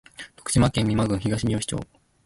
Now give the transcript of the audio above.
徳島県美馬郡東みよし町